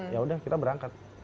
ya udah kita berangkat